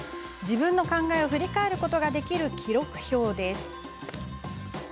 自分の考えを振り返ることができる記録表です。